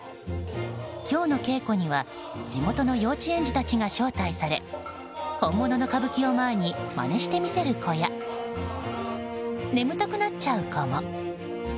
今日の稽古には地元の幼稚園児たちが招待され本物の歌舞伎を前にまねしてみせる子や眠たくなっちゃう子も。